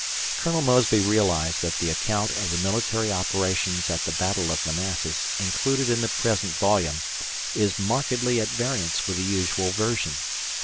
Colonel Mosby realized that the account of the military operations at the Battle of Manassas included in the present volume is markedly at variance with the usual version.